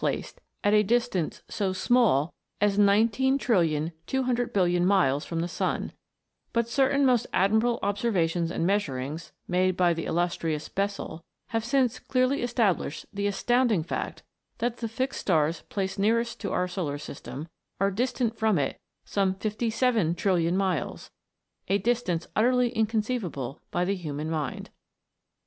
placed at a distance so small as 19,200,000,000,000 miles from the sun ; but certain most admirable observations and measuriugs, made by the illustrious Bessel, have since clearly established the astounding fact that the fixed stars placed nearest to our solar system are distant from it some 57,000,000,000,000 miles a distance utterly inconceivable by the hu man mind.